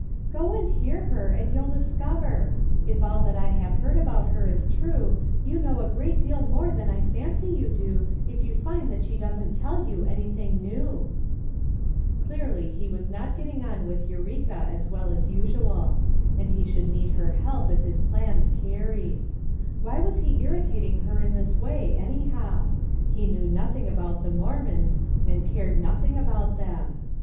"Go and hear her and you'll discover; if all that I have heard about her is true, you know a great deal more than I fancy you do if you find that she doesn't tell you anything new." 188 FOUR MOTHERS AT CHAUTAUQUA Clearly he was not getting on with Eureka as well as usual; and lie should need her help if his plans carried. Why was he irritating her in this way, anyhow? He knew nothing ahont the Mormons, and cared nothing about them.